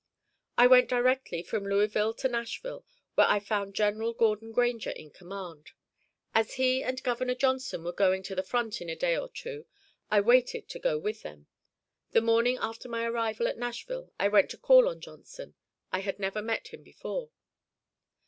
I went directly from Louisville to Nashville, where I found General Gordon Granger in command. As he and Governor Johnson were going to the front in a day or two, I waited to go with them. The morning after my arrival at Nashville I went to call on Johnson. I had never met him before.